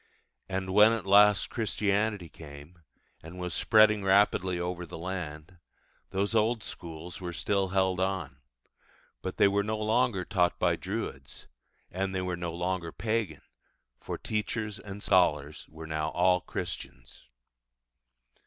And when at last Christianity came, and was spreading rapidly over the land, those old schools were still held on; but they were no longer taught by druids, and they were no longer pagan, for teachers and scholars were now all Christians.